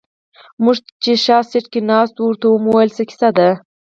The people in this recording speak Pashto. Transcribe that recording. موږ چې شاته سيټ کې ناست وو ورته ومو ويل څه کيسه ده.